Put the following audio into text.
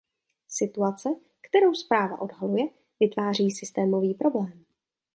Situace, kterou zpráva odhaluje, vytváří systémový problém.